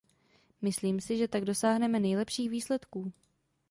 Myslím si, že tak dosáhneme nejlepších výsledků.